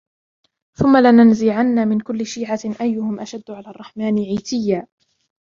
ثُمَّ لَنَنْزِعَنَّ مِنْ كُلِّ شِيعَةٍ أَيُّهُمْ أَشَدُّ عَلَى الرَّحْمَنِ عِتِيًّا